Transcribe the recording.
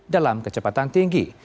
dalam kecepatan tinggi